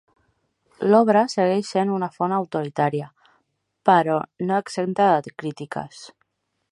L'obra segueix sent una font autoritària, però no exempta de crítiques.